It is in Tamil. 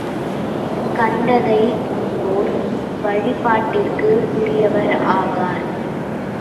கண்டதை உண்போர் வழிபாட்டிற்கு உரியவர் ஆகார்.